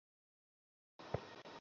তিনি খ্যাতি অর্জন করেন।